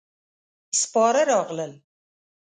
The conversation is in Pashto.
سپاره راغلل.